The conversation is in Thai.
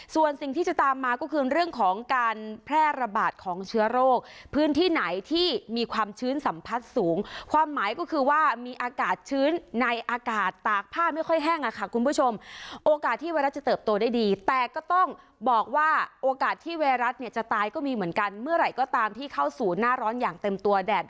ส่วนสิ่งที่จะตามมาก็คือเรื่องของการแพร่ระบาดของเชื้อโรคพื้นที่ไหนที่มีความชื้นสัมผัสสูงความหมายก็คือว่ามีอากาศชื้นในอากาศตากผ้าไม่ค่อยแห้งค่ะคุณผู้ชมโอกาสที่ไวรัสจะเติบโตได้ดีแต่ก็ต้องบอกว่าโอกาสที่ไวรัสเนี่ยจะตายก็มีเหมือนกันเมื่อไหร่ก็ตามที่เข้าสู่หน้าร้อนอย่างเต็มตัวแดด